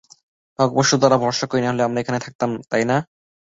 ভাগ্যবশত তারা ভরসা করেনি, নাহলে আমরা এখানে থাকতাম না, তাই না?